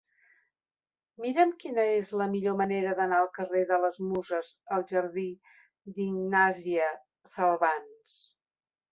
Mira'm quina és la millor manera d'anar del carrer de les Muses al jardí d'Ignàsia Salvans.